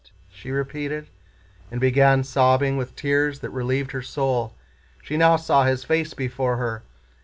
she repeated, and began sobbing, with tears that relieved her soul. She now saw his face before her.